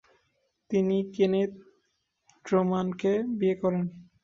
তিনি কেনেথ ট্রুম্যানকে বিয়ে করেন।